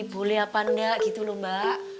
boleh apa enggak gitu loh mbak